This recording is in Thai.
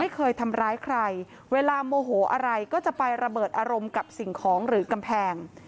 เคยทำร้ายใครเวลาโมโหอะไรก็จะไประเบิดอารมณ์กับสิ่งของหรือกำแพง